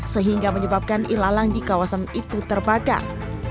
sehingga menyebabkan ilalang di kawasan itu terbakar